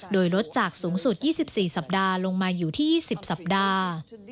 โดยลดจากสูงสุด๒๔สัปดาห์ลงมาอยู่ที่๒๐สัปดาห์